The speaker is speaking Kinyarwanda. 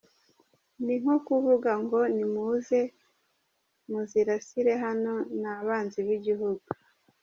Ni nko kuvuga ngo nimuze muzirasire hano ni abanzi b’igihugu.